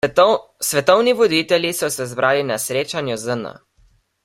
Svetovni voditelji so se zbrali na srečanju ZN.